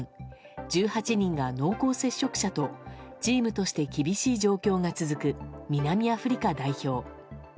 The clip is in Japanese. １８人が濃厚接触者とチームとして厳しい状況が続く南アフリカ代表。